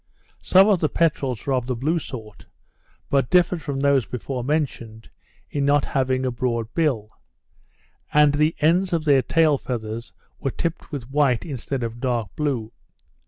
Some of the peterels were of the blue sort, but differed from those before mentioned, in not having a broad bill; and the ends of their tail feathers were tipped with white instead of dark blue.